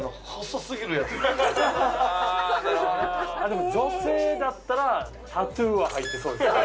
でも女性だったらタトゥーは入ってそうですよね。